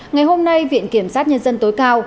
ngày hôm nay viện kiểm sát nhân dân tối cao